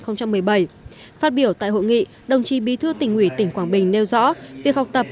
phát biểu tại hội nghị đồng chí bí thư tỉnh ủy tỉnh quảng bình nêu rõ việc học tập